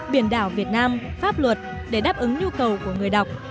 biển đảo việt nam pháp luật để đáp ứng nhu cầu của người đọc